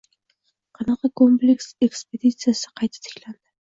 Qanqa kompleks ekspeditsiyasi qayta tiklanding